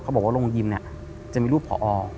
เขาบอกว่าโรงยิมจะมีรูปผอ